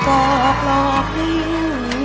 คุณตายเหรอครับจริง